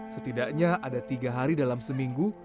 setidaknya ada tiga hari dalam seminggu